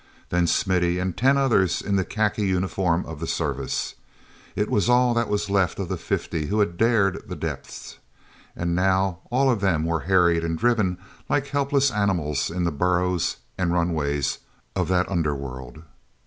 Then Smithy, and ten others in the khaki uniform of the service—it was all that was left of the fifty who had dared the depths. And now all of them were harried and driven like helpless animals in the burrows and runways of that under world.